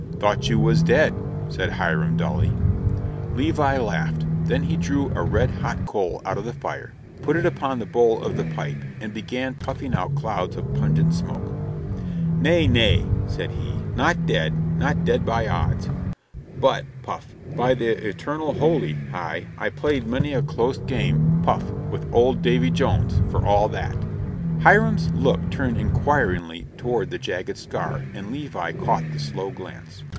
"Thought you was dead," said Hiram, dully. Levi laughed, then he drew a red hot coal out of the fire, put it upon the bowl of the pipe and began puffing out clouds of pungent smoke. "Nay, nay," said he; "not dead not dead by odds. But [puff] by the Eternal Holy, Hi, I played many a close game [puff] with old Davy Jones, for all that." Hiram's look turned inquiringly toward the jagged scar and Levi caught the slow glance.